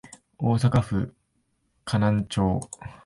大阪府河南町